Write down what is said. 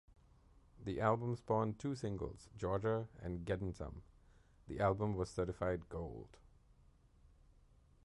The album spawned two singles "Georgia" and "Gettin' Some", the album was certified Gold.